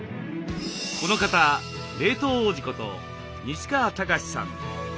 この方冷凍王子こと西川剛史さん。